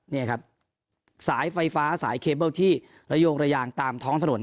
นี่ครับสายไฟฟ้าสายเคเบิ้ลที่ระโยงระยางตามท้องถนน